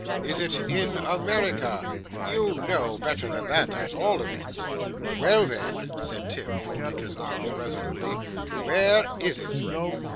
Is it in America? YOU know better than that, at all events. Well, then,' said Tim, folding his arms resolutely, 'where is it?